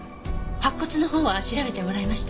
白骨のほうは調べてもらえました？